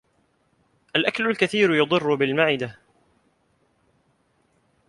الْأَكْلُ الْكَثِيرُ يَضُرُّ الْمَعِدَةَ.